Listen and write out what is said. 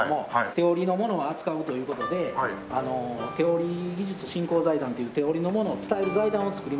手織りの物を扱うという事で手織技術振興財団という手織りの物を伝える財団を作りまして。